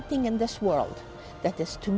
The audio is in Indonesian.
berharga untuk hidup dan hidup